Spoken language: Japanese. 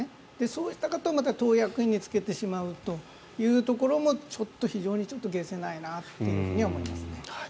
そういった方を党役員に就けてしまうというのもちょっと非常に解せないなと思いますね。